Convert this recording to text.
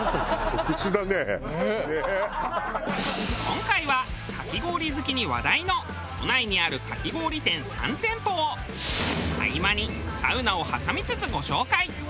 今回はかき氷好きに話題の都内にあるかき氷店３店舗を合間にサウナを挟みつつご紹介。